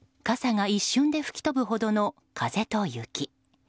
傘が一瞬で吹き飛ぶほどの風と雪。